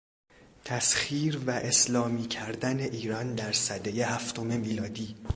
تسخیر و اسلامی کردن ایران در سدهی هفتم میلادی